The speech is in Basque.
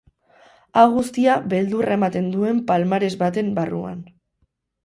Hau guztia, beldurra ematen duen palmares baten barruan.